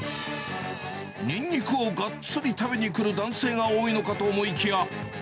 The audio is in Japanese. ニンニクをがっつり食べにくる男性が多いのかと思いきや。